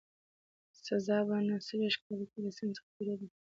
سزار په نه څلوېښت کال کې له سیند څخه تېرېده.